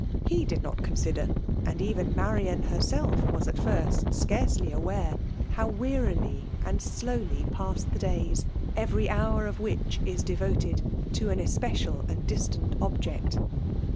He did not consider, and even Miuian Iv^rt self was at first scarcely aware, how wearify and slowly pass the days, every hour of whio)^ is devoted to an especial and distant object.